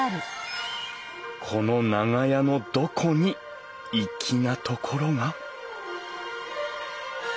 この長屋のどこに粋なところが？